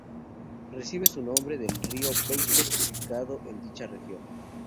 Recibe su nombre del río Baker, ubicado en dicha región.